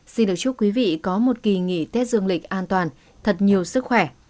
xin được chúc quý vị có một kỳ nghỉ tết dương lịch an toàn thật nhiều sức khỏe